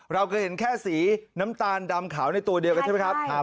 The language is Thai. เราเคยเห็นแค่สีน้ำตาลดำขาวในตัวเดียวกันใช่ไหมครับ